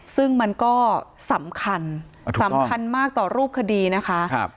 ซึ่งมันก็สำคัญสำคัญมากต่อรูปคดีนะคะ